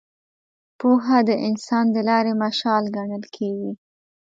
پوهه د انسان د لارې مشال ګڼل کېږي.